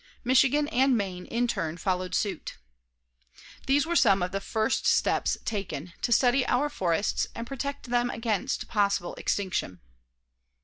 Michigan and Maine, in turn, followed suit. These were some of the first steps taken to study our forests and protect them against possible extinction.